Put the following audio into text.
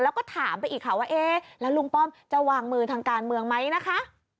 แล้วก็ถามไปอีกค่ะว่าเอ๊ะแล้วลุงป้อมจะวางมือทางการเมืองไหมนะคะ